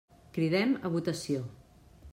Cridem a votació.